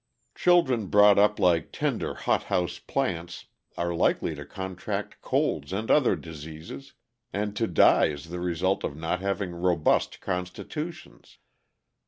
"'Children brought up like tender hot house plants are likely to contract colds and other diseases, and to die as the result of not having robust constitutions.